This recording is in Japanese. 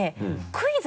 クイズ？